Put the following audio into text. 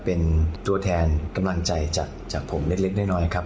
เป็นตัวแทนกำลังใจจากผมเล็กน้อยครับ